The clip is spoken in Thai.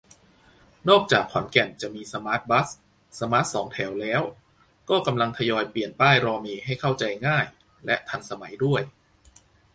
นอกจากขอนแก่นจะมีสมาร์ทบัส สมาร์ทสองแถวแล้ว ก็กำลังทยอยเปลี่ยนป้ายรอเมล์ให้เข้าใจง่าย และทันสมัยด้วย